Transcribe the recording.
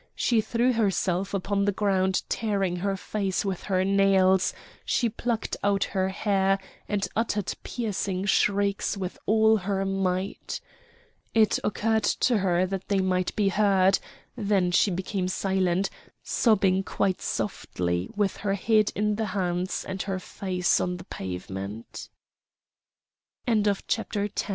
She threw herself upon the ground tearing her face with her nails; she plucked out her hair, and uttered piercing shrieks with all her might. It occurred to her that they might be heard; then she became silent, sobbing quite softly with her head in the hands an